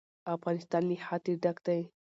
افغانستان له ښتې ډک دی.